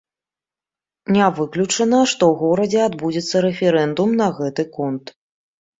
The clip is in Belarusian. Не выключана, што ў горадзе адбудзецца рэферэндум на гэты конт.